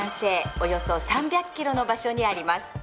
およそ３００ｋｍの場所にあります。